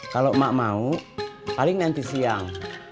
kalau emak mau paling nanti siang